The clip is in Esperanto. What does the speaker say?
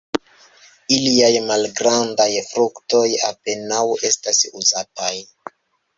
Iliaj malgrandaj fruktoj apenaŭ estas uzataj.